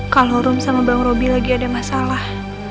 kalau rum sama bang roby lagi ada masalah